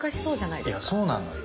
いやそうなんだよ。